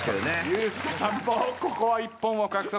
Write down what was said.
ユースケさんもここは一本を獲得。